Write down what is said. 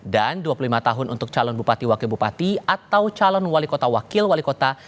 dan dua puluh lima tahun untuk calon bupati wakil bupati atau calon wali kota wakil wali kota